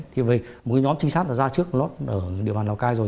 thì về một cái nhóm trinh sát là ra trước lót ở địa bàn lào cai rồi